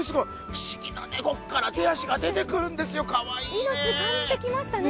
不思議だね、こっから手足が出てくるんですよ、かわいいですね。